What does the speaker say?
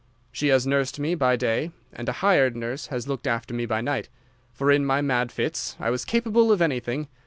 She has nursed me by day and a hired nurse has looked after me by night, for in my mad fits I was capable of anything.